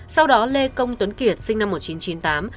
sau đó lê công tuấn kiệt sinh năm một nghìn chín trăm chín mươi tám